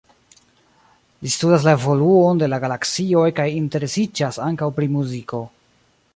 Li studas la evoluon de la galaksioj kaj interesiĝas ankaŭ pri muziko.